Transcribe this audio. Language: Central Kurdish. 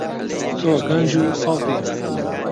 تۆ گەنج و سەڵتی.